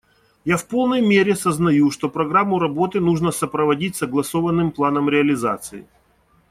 Я в полной мере сознаю, что программу работы нужно сопроводить согласованным планом реализации.